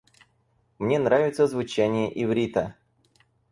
Мне нравится звучание иврита.